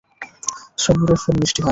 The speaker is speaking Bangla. সবুরের ফল মিষ্টি হয়।